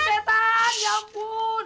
setan ya ampun